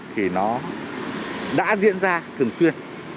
thì nó đã diễn ra thường xuyên